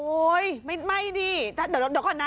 โอ๊ยไม่ดีแต่เดี๋ยวก่อนนะ